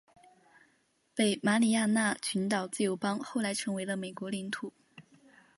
北马里亚纳群岛自由邦后来成为美国领土。